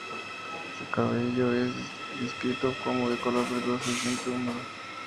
Su cabello es descrito como de color verdoso, y siempre húmedo.